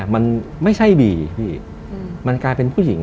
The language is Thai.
มันไม่ใช่บีพี่มันกลายเป็นผู้หญิง